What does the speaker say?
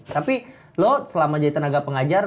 tapi lo selama jadi tenaga pengajar